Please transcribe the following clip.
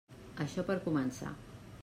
Això per començar.